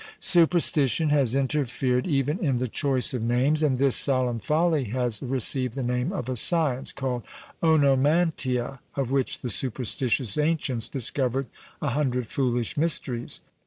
Superstition has interfered even in the choice of names, and this solemn folly has received the name of a science, called Onomantia; of which the superstitious ancients discovered a hundred foolish mysteries.